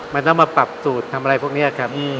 มันต้องมาปรับสูตรทำอะไรพวกนี้ครับ